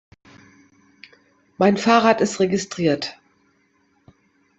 Mein Fahrrad ist registriert.